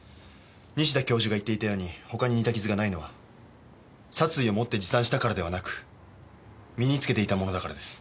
西田教授が言っていたように他に似た傷がないのは殺意を持って持参したからではなく身に着けていたものだからです。